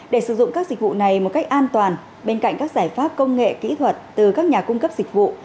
để sử dụng các dịch vụ này một cách an toàn bên cạnh các giải pháp công nghệ kỹ thuật từ các nhà cung cấp dịch vụ